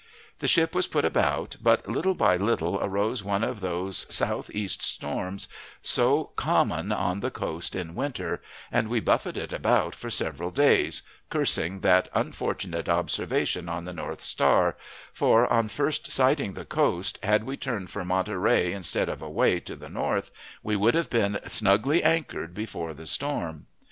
The ship was put about, but little by little arose one of those southeast storms so common on the coast in winter, and we buffeted about for several days, cursing that unfortunate observation on the north star, for, on first sighting the coast, had we turned for Monterey, instead of away to the north, we would have been snugly anchored before the storm.